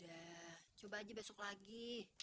ya sudah coba saja besok lagi